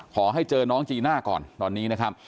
ขอให้เจอน้องจีน่าก่อนตอนนี้นะครับ